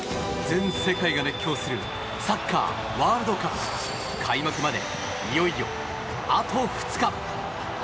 全世界が熱狂するサッカーワールドカップ開幕まで、いよいよあと２日。